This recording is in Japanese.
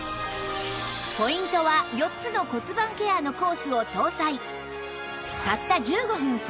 ポイントは４つの骨盤ケアのコースを搭載